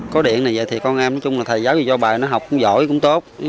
có điện thì con em thầy giáo do bà học cũng giỏi cũng tốt